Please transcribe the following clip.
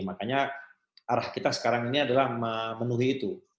makanya arah kita sekarang ini adalah memenuhi itu